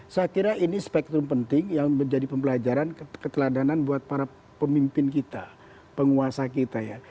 saya kira ini spektrum penting yang menjadi pembelajaran keteladanan buat para pemimpin kita penguasa kita ya